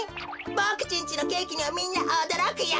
ボクちんちのケーキにはみんなおどろくよ。